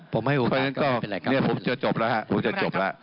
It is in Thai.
เพราะฉะนั้นก็ผมจะจบแล้ว